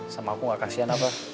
sama aku gak kasian apa